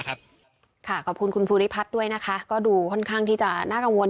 ขอบคุณคุณภูริพัฒน์ด้วยนะคะก็ดูค่อนข้างที่จะน่ากังวล